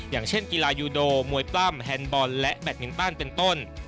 อย่างเช่นกีฬายูโดมวยปล้ำแฮนดบอลและแบตมินตันเป็นต้น